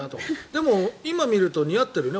でも今見ると似合ってるね